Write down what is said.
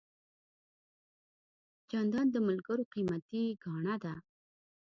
جانداد د ملګرو قیمتي ګاڼه ده.